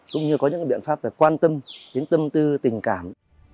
cũng như có những biện pháp quan tâm tính tâm tư tình cảm